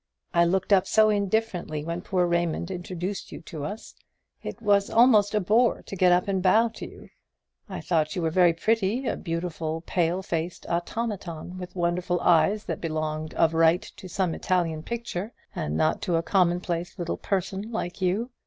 I looked up so indifferently when poor Raymond introduced you to us; it was almost a bore to get up and bow to you. I thought you were very pretty, a beautiful pale faced automaton, with wonderful eyes that belonged of right to some Italian picture, and not to a commonplace little person like you.